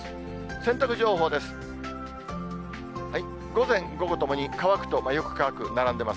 洗濯情報です。